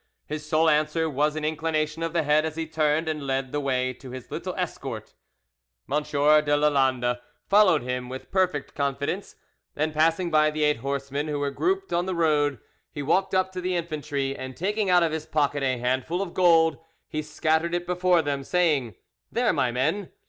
His sole answer was an inclination of the head as he turned and led the way to his little escort. M. de Lalande followed him with perfect confidence, and, passing by the eight horsemen who were grouped on the road, he walked up to the infantry, and taking out of his pocket a handful of gold, he scattered it before them, saying: "There, my men!